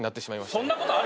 そんなことある！？